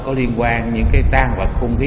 có liên quan những cái tan hoặc không khí